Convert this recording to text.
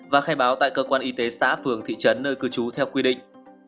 và khai báo tại cơ quan y tế xã phường thị trấn nơi cư trú theo quy định